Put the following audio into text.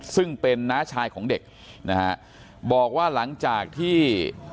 ซึ่งเป็นน้าชายของเด็กนะฮะบอกว่าหลังจากที่